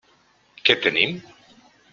Què tenim?